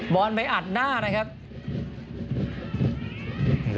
ส่วนที่สุดท้ายส่วนที่สุดท้าย